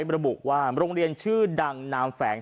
ระบุว่าโรงเรียนชื่อดังนามแฝง